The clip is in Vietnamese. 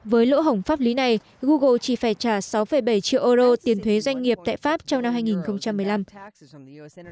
với lỗ hổng pháp lý này google chỉ phải trả sáu bảy triệu euro tiền thuế doanh nghiệp tại pháp trong năm hai nghìn một mươi năm